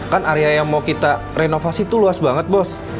kan area yang mau kita renovasi itu luas banget bos